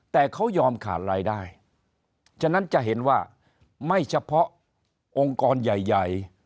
แต่เขายอมขาดรายได้ฉะนั้นจะเห็นว่าไม่เฉพาะองค์กรใหญ่ใหญ่